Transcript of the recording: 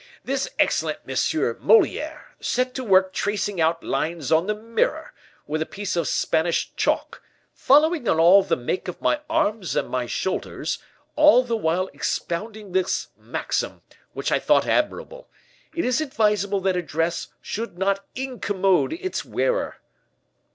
This excellent M. Moliere set to work tracing out lines on the mirror, with a piece of Spanish chalk, following in all the make of my arms and my shoulders, all the while expounding this maxim, which I thought admirable: 'It is advisable that a dress should not incommode its wearer.